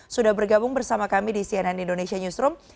sudah bergabung bersama kami di cnn indonesia newsroom